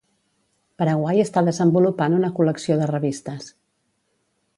Paraguai està desenvolupant una col·lecció de revistes.